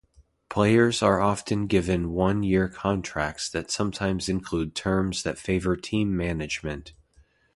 Players are often given one-year contracts that sometimes include terms that favor team management.